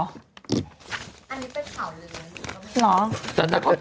อันนี้เป็นข่าวลือ